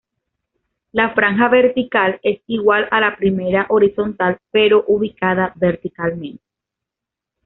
La franja vertical es igual a la primera horizontal, pero ubicada verticalmente.